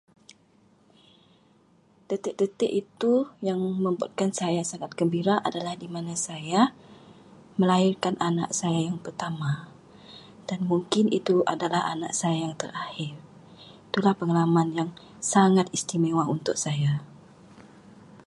Detik-detik itu yang membuatkan saya sangat gembira adalah di mana saya melahirkan anak saya yang pertama dan mungkin itu adalah anak saya yang terakhir. Itulah pengalaman yang sangat istimewa untuk saya.